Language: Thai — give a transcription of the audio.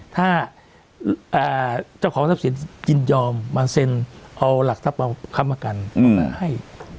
ถ้าเจ้าของทรัพย์สินยินยอมมาเซ็นเอาหลักทรัพย์ค้ำประกันให้